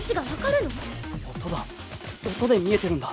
音だ音で見えてるんだ。